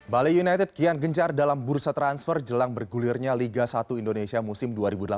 bali united kian gencar dalam bursa transfer jelang bergulirnya liga satu indonesia musim dua ribu delapan belas